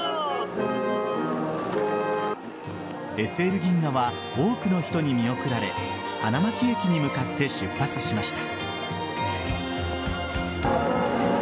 ＳＬ銀河は多くの人に見送られ花巻駅に向かって出発しました。